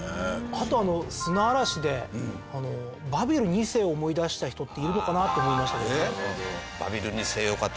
あとあの砂嵐で『バビル２世』を思い出した人っているのかなと思いました。